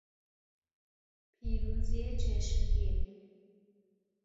پیروزی چشمگیر